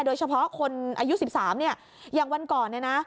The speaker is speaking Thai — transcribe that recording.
โดยเฉพาะคนอายุ๑๓อย่างวันก่อนนะ